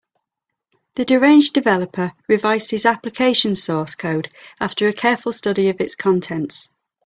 The deranged developer revised his application source code after a careful study of its contents.